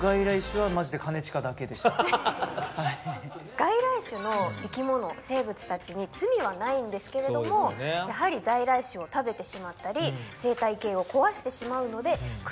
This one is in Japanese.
外来種の生き物生物たちに罪はないんですけれどもやはり在来種を食べてしまったり生態系を壊してしまうので駆除せざるを得ない現状になっているんです。